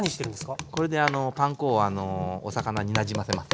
これでパン粉をお魚になじませます。